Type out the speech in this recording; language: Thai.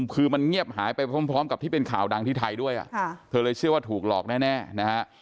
คือมันเงียบหายไปพร้อมกับที่เป็นข่าวดังที่ไทยด้วยเธอเลยเชื่อว่าถูกหลอกแน่นะฮะ